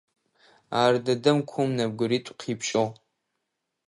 Ар дэдэм кум нэбгыритӏу къипкӏыгъ.